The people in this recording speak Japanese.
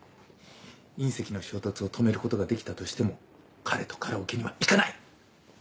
隕石の衝突を止めることができたとしても彼とカラオケには行かない。